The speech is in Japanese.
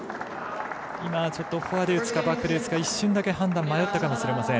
今、ちょっとフォアで打つかバックで打つか一瞬だけ判断迷ったかもしれません。